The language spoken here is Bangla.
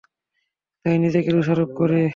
তাই নিজেকে দোষারোপ করি!